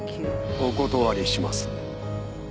お断りします。